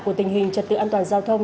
của tình hình trật tự an toàn giao thông